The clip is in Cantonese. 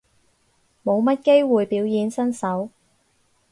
冇乜機會表演身手